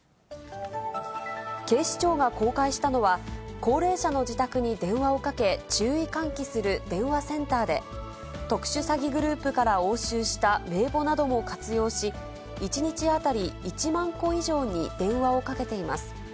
警視庁が公開したのは、高齢者の自宅に電話をかけ、注意喚起する電話センターで、特殊詐欺グループから押収した名簿なども活用し、１日当たり１万戸以上に電話をかけています。